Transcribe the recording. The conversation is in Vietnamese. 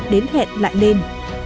đến hẹn lại lên